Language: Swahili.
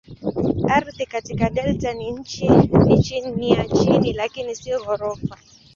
Ardhi katika delta ni ya chini lakini si ghorofa.